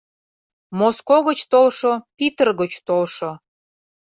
Моско гыч толшо, Питыр гыч толшо